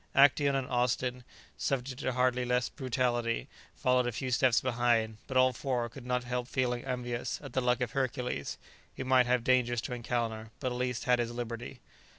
Actæon and Austin, subject to hardly less brutality, followed a few steps behind, but all four could not help feeling envious at the luck of Hercules, who might have dangers to encounter, but at least had his liberty.